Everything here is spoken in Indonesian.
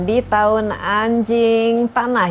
di tahun anjing tanah